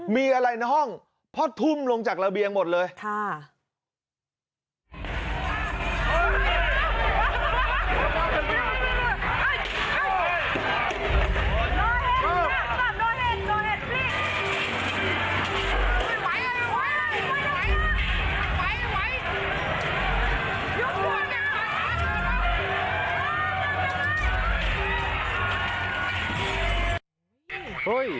มีอะไรในห้องเพราะทุ่มลงจากระเบียงหมดเลยค่ะ